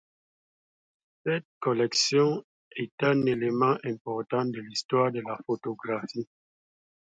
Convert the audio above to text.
Cette collection est un élément important de l'histoire de la photographie.